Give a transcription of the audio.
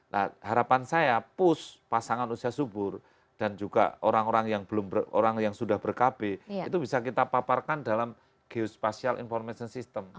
nah harapan saya push pasangan usia subur dan juga orang orang yang sudah berkabe itu bisa kita paparkan dalam geospacial information system